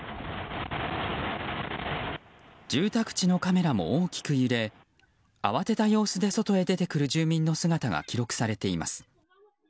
住宅地のカメラも大きく揺れ慌てた様子で外へ出てくる住民の姿が記録されています。